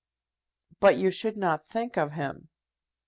"But you should not think of him."